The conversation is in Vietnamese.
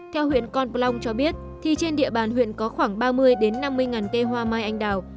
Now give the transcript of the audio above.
theo huyện con pơ long cho biết trên địa bàn huyện có khoảng ba mươi năm mươi cây hoa mai anh đào